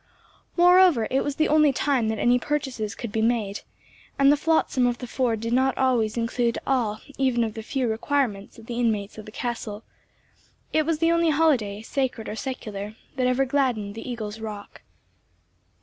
Moreover, it was the only time that any purchases could be made, and the flotsam of the ford did not always include all even of the few requirements of the inmates of the castle; it was the only holiday, sacred or secular, that ever gladdened the Eagle's Rock.